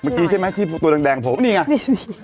เมื่อกี้ใช่ไหมที่ตัวแดงผมนี่ไง